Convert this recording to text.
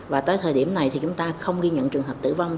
và tới thời điểm này thì chúng ta không ghi nhận trường hợp tử vong